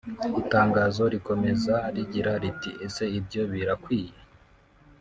Itangazo rikomeza rigira riti “Ese ibyo birakwiye